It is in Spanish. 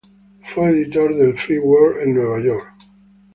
Fue editor del "Free World" en Nueva York.